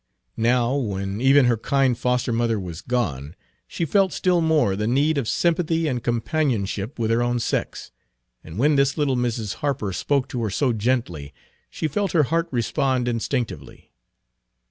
Now, when even her kind foster mother was gone, she felt still more the need of sympathy and companionship with her own sex; and when this little Mrs. Harper spoke to her so gently, she felt her heart respond instinctively.